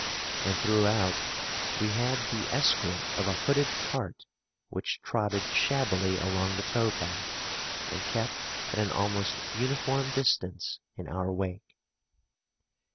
And throughout we had the escort of a hooded cart, which trotted shabbily along the tow path, and kept at an almost uniform distance in our wake.